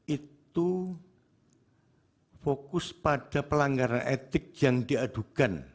itu fokus pada pelanggaran etik yang diadukan